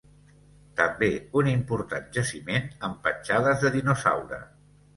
També un important jaciment amb petjades de dinosaure.